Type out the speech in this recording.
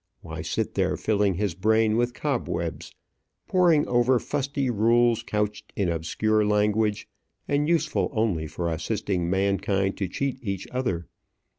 why sit there filling his brain with cobwebs, pouring over old fusty rules couched in obscure language, and useful only for assisting mankind to cheat each other?